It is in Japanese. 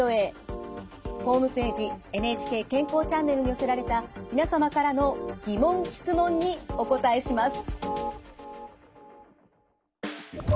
ホームページ「ＮＨＫ健康チャンネル」に寄せられた皆様からの疑問質問にお答えします。